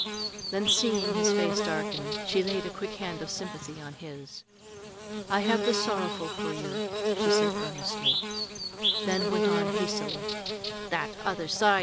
Then seeing his face darken, she laid a quick hand of sympathy on his. "I have the sorrowful for you," she said earnestly, then went on hastily: "That other side!